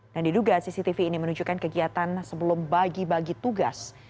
diduga cctv ini menunjukkan kegiatan sebelum bagi bagi tugas